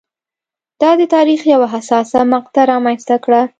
دا د تاریخ یوه حساسه مقطعه رامنځته کړه.